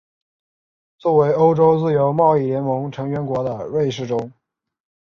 作为欧洲自由贸易联盟成员国的瑞士中。